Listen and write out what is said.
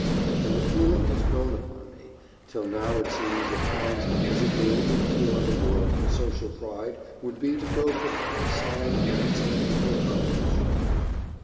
And the feeling has grown upon me, till now it seems at times as if the only cure in the world for social pride would be to go for five silent minutes into a carpenter's shop.